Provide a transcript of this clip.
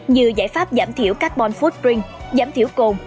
như giải pháp giảm thiểu carbon footprint giảm thiểu cồn